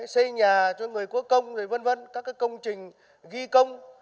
xây nhà cho người có công các công trình ghi công